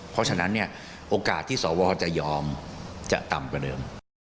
เพราะฉะนั้นเนี่ยโอกาสที่สวจะยอมจะต่ำกว่าเดิม